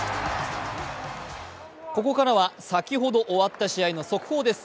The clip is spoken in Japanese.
ここからは先ほど終わった試合の速報です。